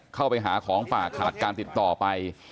เข้าไปหาของป่าขาดการติดต่อไป